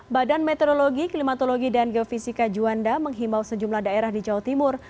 badan meteorologi klimatologi dan geofisika juanda menghimbau sejumlah daerah di jawa timur